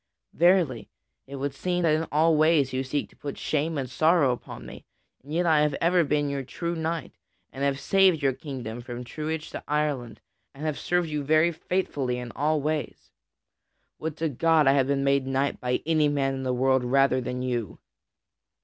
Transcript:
Verily, it would seem that in all ways you seek to put shame and sorrow upon me. And yet I have ever been your true knight, and have saved your kingdom from truage to Ireland and have served you very faithfully in all ways. Would to God I had been made knight by any man in the world rather than by you."